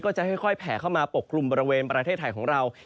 จะค่อยแผ่เข้ามาปกกลุ่มบริเวณประเทศไทยของเรา